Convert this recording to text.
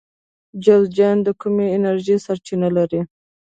جوزجان د کومې انرژۍ سرچینه لري؟